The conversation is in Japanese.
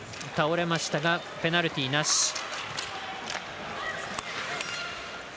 倒れましたがペナルティーなし。